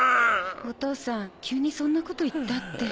お義父さん急にそんなこと言ったって。